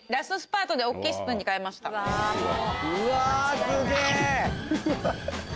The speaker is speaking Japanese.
・うわすげぇ！